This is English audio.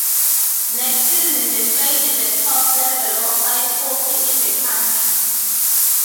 Next season the play in the top level of ice hockey in the country.